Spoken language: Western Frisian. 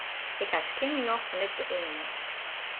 Ik ha skjin myn nocht fan dit geëamel.